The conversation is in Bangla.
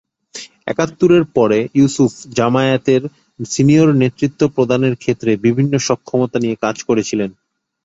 একাত্তরের পরে, ইউসুফ জামায়াতের সিনিয়র নেতৃত্ব প্রদানের ক্ষেত্রে বিভিন্ন সক্ষমতা নিয়ে কাজ করেছিলেন।